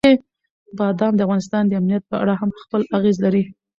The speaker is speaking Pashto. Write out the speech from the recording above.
بادام د افغانستان د امنیت په اړه هم خپل اغېز لري.